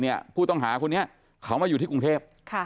ผู้ต้องหาคนนี้เขามาอยู่ที่กรุงเทพ